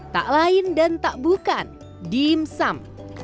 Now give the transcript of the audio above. tak lain dan tak bukan dimsum